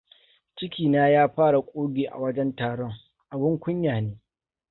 Cikina ya fara ƙugi a wajen taron. Abin kunya ne.